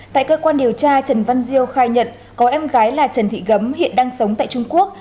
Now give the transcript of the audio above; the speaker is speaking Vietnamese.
tại cơ quan điều tra trần văn diêu khai nhận có em gái là trần thị gấm hiện đang sống tại trung quốc